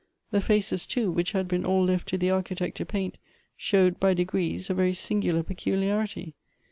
The faces, too, which had been all left to the architect to paint, showed by degrees a very singular peculiarity.